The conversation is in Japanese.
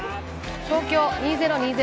東京２０２０